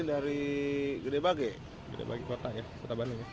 dari gede bage kota bandung